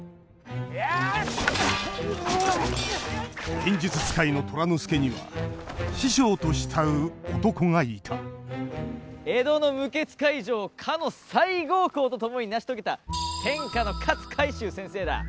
剣術使いの虎之助には師匠と慕う男がいた江戸の無血開城をかの西郷公と共に成し遂げた天下の勝海舟先生だ。